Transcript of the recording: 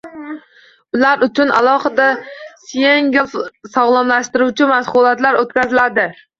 Ular uchun alohida syengil sog‘lomlashtiruvchi mashg‘ulotlar o‘tkaziladi